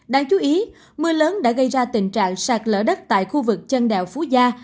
đáng chú ý mưa lớn đã gây ra tình trạng sạt lở đất tại khu vực trân đạo phú gia